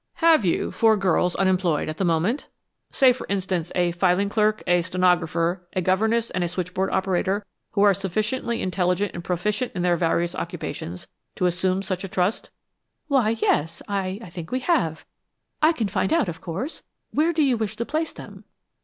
Have you four girls unemployed at the moment? Say, for instance, a filing clerk, a stenographer, a governess and a switchboard operator, who are sufficiently intelligent and proficient in their various occupations, to assume such a trust?" "Why, yes, I I think we have. I can find out, of course. Where do you wish to place them?"